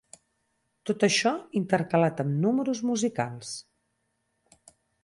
Tot això intercalat amb números musicals.